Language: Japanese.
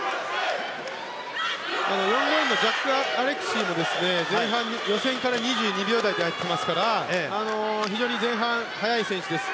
４レーンのジャック・アレクシーも前半、予選から２２秒台で入ってきていますから非常に前半、速い選手です。